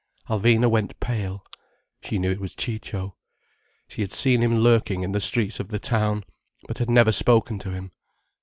Alvina went pale. She knew it was Ciccio. She had seen him lurking in the streets of the town, but had never spoken to him.